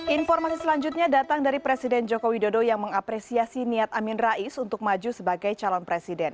informasi selanjutnya datang dari presiden joko widodo yang mengapresiasi niat amin rais untuk maju sebagai calon presiden